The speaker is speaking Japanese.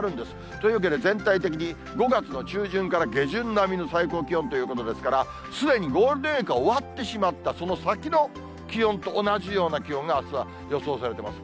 というわけで、全体的に５月の中旬から下旬並みの最高気温ということですから、すでにゴールデンウィークは終わってしまった、その先の気温と同じような気温が、あすは予想されてます。